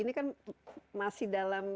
ini kan masih dalam